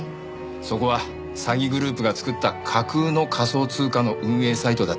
そこは詐欺グループが作った架空の仮想通貨の運営サイトだった。